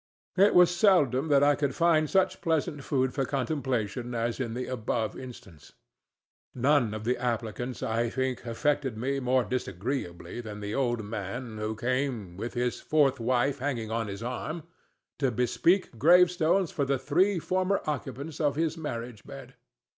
It was seldom that I could find such pleasant food for contemplation as in the above instance. None of the applicants, I think, affected me more disagreeably than an old man who came, with his fourth wife hanging on his arm, to bespeak gravestones for the three former occupants of his marriage bed.